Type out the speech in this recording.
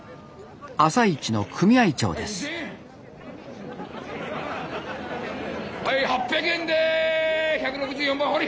朝市の組合長ですはい８００円で１６４番終わり！